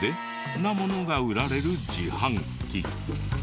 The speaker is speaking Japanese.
なものが売られる自販機。